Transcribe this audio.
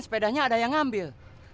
ternyata ada yang ngambil